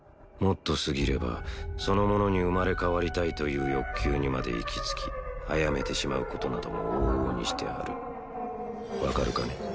もっと過ぎればその者に生まれ変わりたいという欲求にまで行き着きあやめてしまうことなども往々にしてある分かるかね？